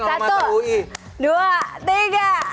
satu dua tiga